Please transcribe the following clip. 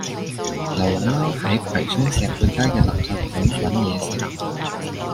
流浪貓喺葵涌石貝街嘅垃圾桶搵野食